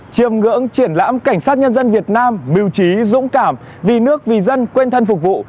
chiêm ngưỡng triển lãm cảnh sát nhân dân việt nam biểu trí dũng cảm vì nước vì dân quên thân phục vụ